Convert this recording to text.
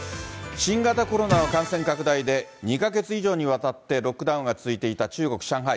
新型コロナの感染拡大で、２か月以上にわたってロックダウンが続いていた中国・上海。